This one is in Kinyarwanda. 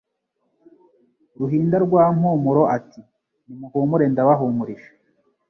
Ruhinda rwa Mpumuro Ati: nimuhumure ndabahumurije,